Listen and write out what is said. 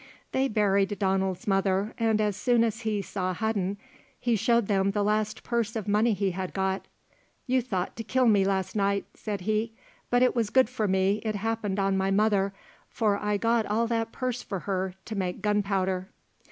They buried Donald's mother, and as soon as he saw Hudden he showed them the last purse of money he had got. "You thought to kill me last night," said he, "but it was good for me it happened on my mother, for I got all that purse for her to make gunpowder."